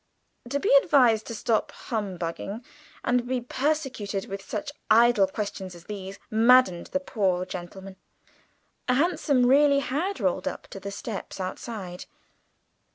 To be advised to stop humbugging, and be persecuted with such idle questions as these, maddened the poor gentleman. A hansom really had rolled up to the steps outside.